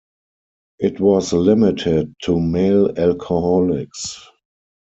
It was limited to male alcoholics.